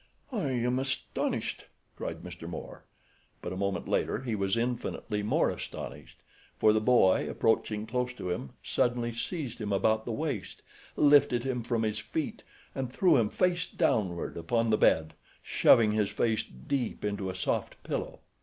"I am astonished," cried Mr. Moore; but a moment later he was infinitely more astonished, for the boy, approaching close to him, suddenly seized him about the waist, lifted him from his feet and threw him face downward upon the bed, shoving his face deep into a soft pillow.